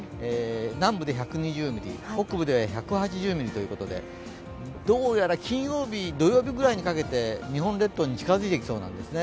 南部で１２０ミリ、北部で１８０ミリということでどうやら金曜日、土曜日ぐらいにかけて日本列島に近づいてきそうなんですね。